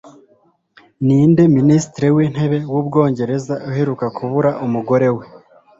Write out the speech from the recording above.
Ninde Minisitiri w’intebe w’Ubwongereza uheruka kubura umugore we